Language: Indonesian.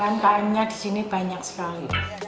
umkm nya di sini banyak sekali